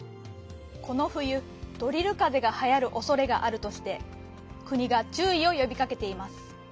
このふゆドリルかぜがはやるおそれがあるとしてくにがちゅういをよびかけています。